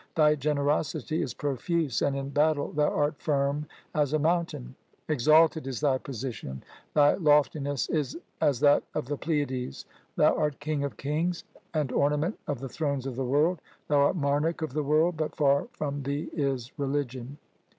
Thy generosity is profuse, and in battle thou art firm as a mountain. Exalted is thy position ; thy loftiness is as that of the Pleiades. Thou art king of kings, and ornament of the thrones of the world. Thou art monarch of the world, but far from thee is religion.